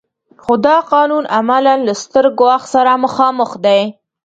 خو دا قانون عملاً له ستر ګواښ سره مخامخ دی.